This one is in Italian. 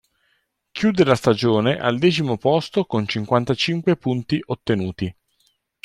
Chiude la stagione al decimo posto con cinquantacinque punti ottenuti.